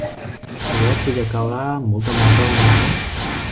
其實一次就夠啦，唔好咁戇鳩好唔好?